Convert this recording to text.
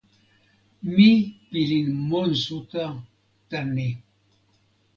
mi pilin monsuta tan ni.